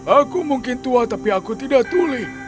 aku mungkin tua tapi aku tidak tuli